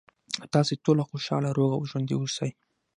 ، او تاسې ټول خوشاله، روغ او ژوندي اوسئ.